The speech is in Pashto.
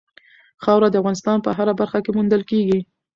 خاوره د افغانستان په هره برخه کې موندل کېږي.